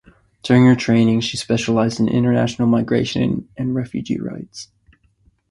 During her training she specialised in international migration and refugee rights.